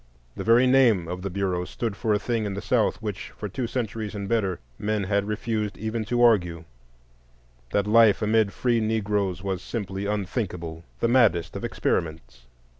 The very name of the Bureau stood for a thing in the South which for two centuries and better men had refused even to argue,—that life amid free Negroes was simply unthinkable, the maddest of experiments.